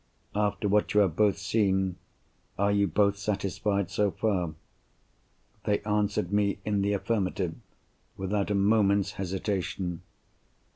After what you have both seen, are you both satisfied, so far?" They answered me in the affirmative, without a moment's hesitation.